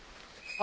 あ！